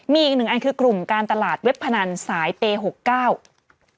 มีอีกหนึ่งอันคือกลุ่มการตลาดเว็บพนันสายเปย์หกเก้า